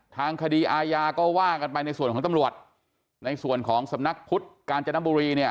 ทางคดีอาญาก็ว่ากันไปในส่วนของตำรวจในส่วนของสำนักพุทธกาญจนบุรีเนี่ย